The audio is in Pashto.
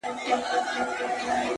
هغه نجلۍ چي ژاړي; هاغه د حوا په ښايست;